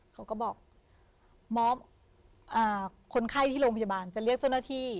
เขาก็บอกมอบคนไข้ที่โรงพยาบาลจะเรียกเจ้าหน้าที่